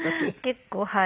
結構はい。